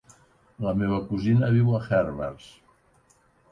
La meva cosina viu a Herbers.